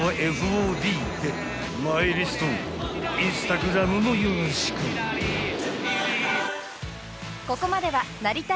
［マイリストＩｎｓｔａｇｒａｍもよろしく］年下の。